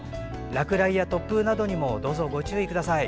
落雷や突風などにもどうぞ、ご注意ください。